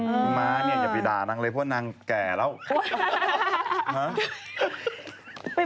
พี่มานี่อย่าไปด่านั่งเลยเพราะว่านางแก่แล้ว